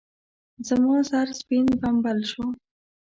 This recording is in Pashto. زما سر سپين بمبل شو.